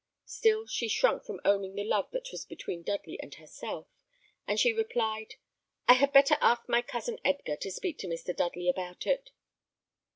Still she shrunk from owning the love that was between Dudley and herself; and she replied, "I had better ask my cousin Edgar to speak to Mr. Dudley about it."